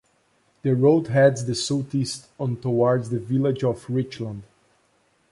The route heads the southeast on towards the village of Richland.